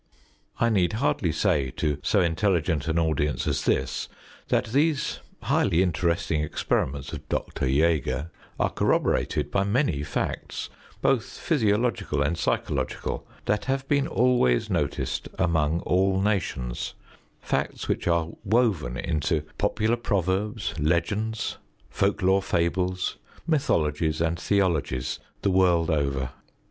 I need hardly say to so intelligent an audience as this, that these highly interesting experiments of Dr. J├żger are corroborated by many facts, both physiological and psychological, that have been always noticed among all nations; facts which are woven into popular proverbs, legends, folk lore fables, mythologies and theologies, the world over.